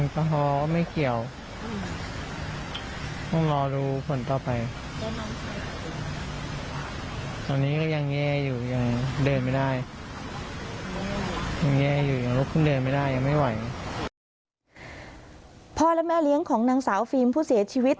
พ่อและแม่เลี้ยงของนางสาวฟิล์มผู้เสียชีวิต